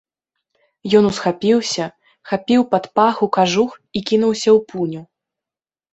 Ён усхапіўся, хапіў пад паху кажух і кінуўся ў пуню.